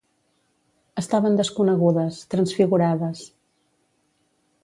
Estaven desconegudes, transfigurades.